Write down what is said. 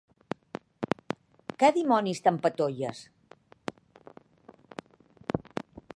Què dimonis t'empatolles?